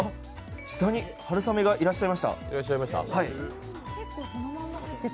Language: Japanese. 下に春雨がいらっしゃいました。